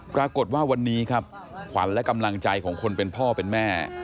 ปรากฏว่าวันนี้ครับขวัญและกำลังใจของคนเป็นพ่อเป็นแม่